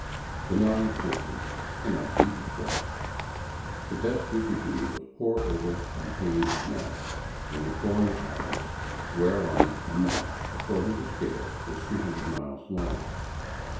The non existent cannot be described. The best we could do was to pore over a page map in a foreign atlas, whereon a match, according to scale, was 300 miles long.